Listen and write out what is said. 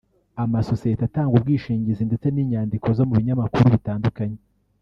amasosiyeti atanga ubwishingizi ndetse n’inyandiko zo mu binyamakuru bitandukanye